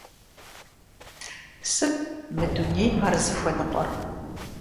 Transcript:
Сыт мы дунейм ар зыхуэныкъуэр?